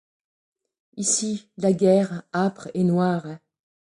Ici, la guerre âpre et noire ;